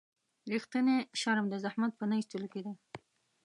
رښتینی شرم د زحمت په نه ایستلو کې دی.